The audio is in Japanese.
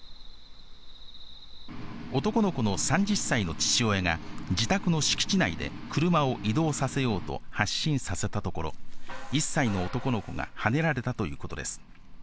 男の子の３０歳の父親が自宅の敷地内で車を移動させようと発進させたところ、１歳の男の子がはねられたということです。